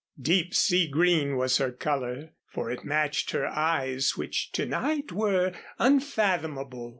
Deep sea green was her color, for it matched her eyes, which to night were unfathomable.